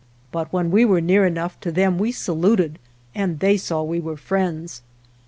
But when we were near enough to them we saluted, and they saw we were friends.